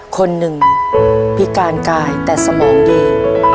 คนหนึ่งพิการกายแต่สมองดี